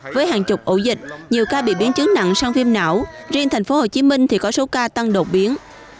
với hàng chục ổ dịch nhiều ca bị biến chứng nặng sang phim não riêng tp hcm thì có số ca tăng đột biến